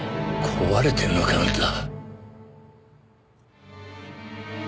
壊れてるのかよあんた。